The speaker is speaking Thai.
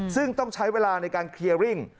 ซึ่งต้องใช้เวลาในการเคลียร์ริ่ง